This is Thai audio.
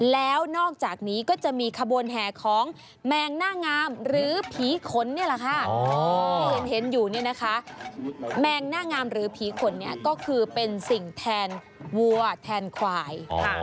แล้วนอกจากนี้ก็จะมีขบวนแห่ของแมงหน้างามหรือผีขนนี่แหละค่ะที่เห็นอยู่เนี่ยนะคะแมงหน้างามหรือผีขนเนี่ยก็คือเป็นสิ่งแทนวัวแทนควาย